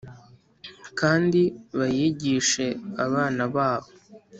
kandi bayigishe abana babo.’ “